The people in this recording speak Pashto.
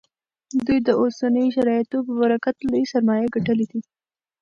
دوی د اوسنیو شرایطو په برکت لویې سرمایې ګټلې دي